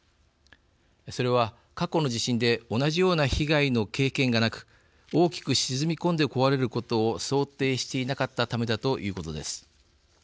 それは過去の地震で同じような被害の経験がなく大きく沈み込んで壊れることを想定していなかったためだということです。